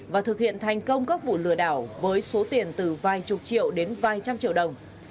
và thực hiện thành công các vụ lừa đảo với số tiền từ vài chục triệu đến vài trăm triệu đồng